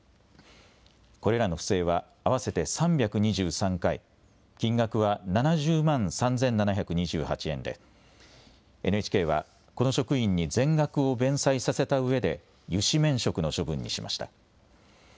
これらの不正は合わせて３２３回、金額は７０万３７２８円でＮＨＫはこの職員に全額を弁済させたうえで諭旨免職の処分にしました。